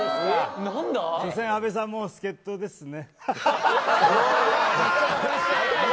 所詮、阿部さんも助っ人ですね。